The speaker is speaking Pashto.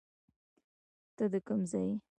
ته د کم ځای یې